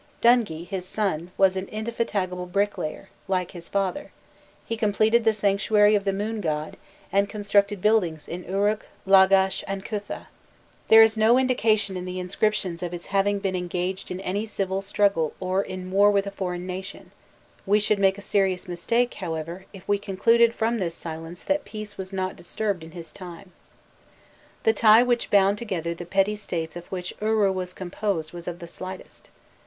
Dungi, his son, was an indefatigable bricklayer, like his father: he completed the sanctuary of the moon god, and constructed buildings in Uruk, Lagash, and Kutha. There is no indication in the inscriptions of his having been engaged in any civil struggle or in war with a foreign nation; we should make a serious mistake, however, if we concluded from this silence that peace was not disturbed in his time. The tie which bound together the petty states of which Uru was composed was of the slightest.